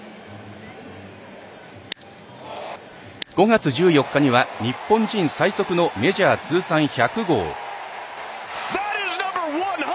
５月１４日には日本人最速のメジャー通算１００号。